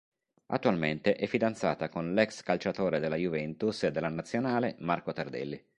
Attualmente è fidanzata con l'ex calciatore della Juventus e della Nazionale Marco Tardelli.